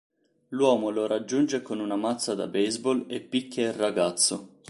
L'uomo lo raggiunge con una mazza da baseball e picchia il ragazzo.